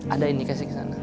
ada indikasi ke sana